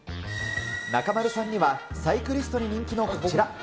中丸さんにはサイクリストに人気のこちら。